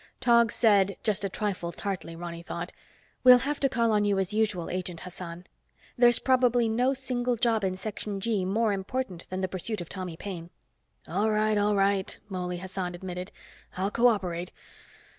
Tog said, just a trifle tartly, Ronny thought, "We'll have to call on you, as usual, Agent Hassan. There's probably no single job in Section G more important than the pursuit of Tommy Paine." "All right, all right," Mouley Hassan admitted. "I'll co operate.